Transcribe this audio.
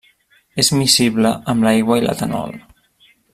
És miscible amb l'aigua i l'etanol.